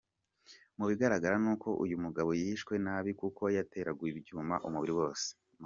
Mu bigaragara nuko uyu mugabo yishwe nabi kuko yateraguwe ibyuma umubiri wose.